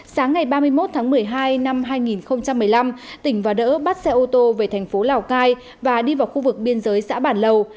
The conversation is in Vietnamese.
sáng ngày ba mươi một tháng một mươi hai năm hai nghìn một mươi năm tỉnh và đỡ bắt xe ô tô về thành phố lào cai và đi vào khu vực biên giới xã bản lầu